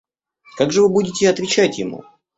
Как же вы будете отвечать ему?